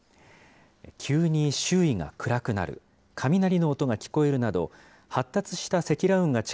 急に周囲が暗くなる、雷の音が聞こえるなど、発達した積乱雲が近